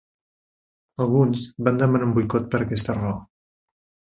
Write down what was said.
Alguns van demanar un boicot per aquesta raó.